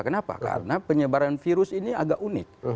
kenapa karena penyebaran virus ini agak unik